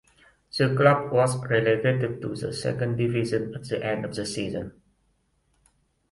The club was relegated to the second division at the end of the season.